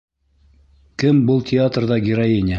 Кем был театрҙа героиня!